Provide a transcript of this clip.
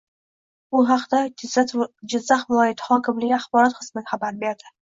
Bu haqda Jizzax viloyati hokimligi Axborot xizmati xabar berdi